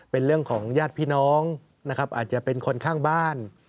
เป็นเรื่องของญาติพี่น้องนะครับอาจจะเป็นคนข้างบ้าน